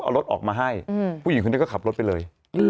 เอารถออกมาให้ผู้หญิงคนนี้ก็ขับรถไปเลย